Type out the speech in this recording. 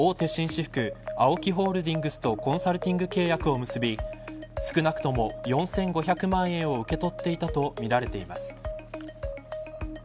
紳士服ＡＯＫＩホールディングスとコンサルティング契約を結び少なくとも４５００万円を受け取っていたとみられています。